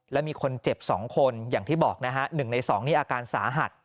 และมีคนเจ็บ๒คนอย่างที่บอกนะฮะ๑ใน๒นี่อาการสาหัส